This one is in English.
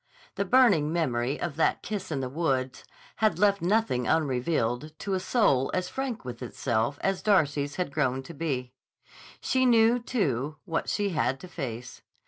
The burning memory of that kiss in the woods had left nothing unrevealed to a soul as frank with itself as Darcy's had grown to be. She knew, too, what she had to face.